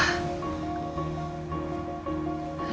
aku nyalain mama dulu ya